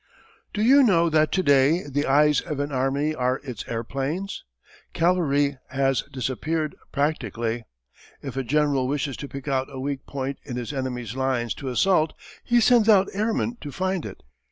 Do you know that to day the eyes of an army are its airplanes? Cavalry has disappeared practically. If a general wishes to pick out a weak point in his enemy's line to assault he sends out airmen to find it.